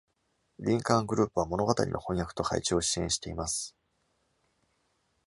リンカーングループは、物語の翻訳と配置を支援しています。